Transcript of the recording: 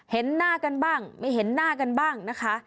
เห็นหน้ากันบ้างไม่เห็นหน้ากันบ้างนะคะ